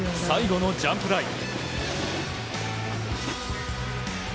最後のジャンプ台。